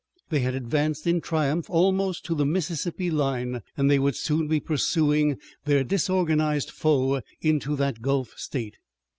They had advanced in triumph almost to the Mississippi line, and they would soon be pursuing their disorganized foe into that Gulf State.